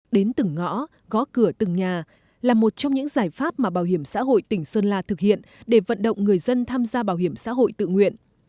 đến từng ngõ gõ cửa từng nhà là một trong những giải pháp mà bảo hiểm xã hội tỉnh sơn la thực hiện để vận động người dân tham gia bảo hiểm xã hội tự nguyện